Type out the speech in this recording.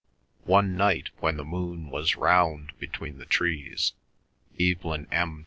One night when the moon was round between the trees, Evelyn M.